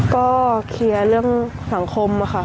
ก็เคลียร์เรื่องสังคมค่ะ